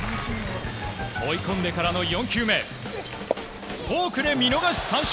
追い込んでからの４球目フォークで見逃し三振。